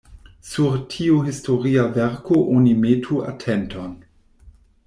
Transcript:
Sur tiu historia verko oni metu atenton.